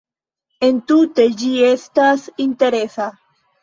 Entute ĝi estas interesa.